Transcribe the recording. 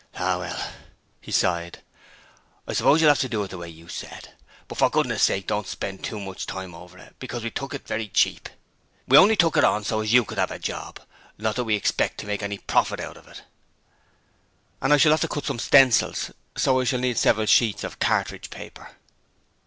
'Ah, well,' he sighed. 'I s'pose you'll 'ave to do it the way you said; but for goodness sake don't spend too much time over it, because we've took it very cheap. We only took it on so as you could 'ave a job, not that we expect to make any profit out of it.' 'And I shall have to cut some stencils, so I shall need several sheets of cartridge paper.'